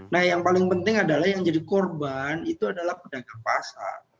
nah yang paling penting adalah yang jadi korban itu adalah pedagang pasar